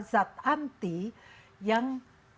zat anti yang